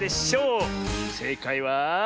せいかいは。